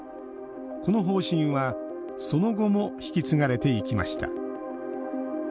この方針は、その後も引き継がれていきました